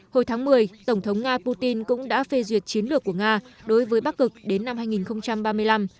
hồi tháng một mươi tổng thống nga putin cũng đã phê duyệt chiến lược của nga đối với bắc cực đến năm hai nghìn ba mươi năm